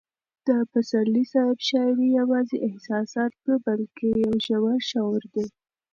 د پسرلي صاحب شاعري یوازې احساسات نه بلکې یو ژور شعور دی.